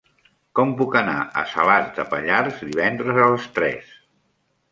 Com puc anar a Salàs de Pallars divendres a les tres?